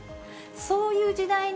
そういう時代に、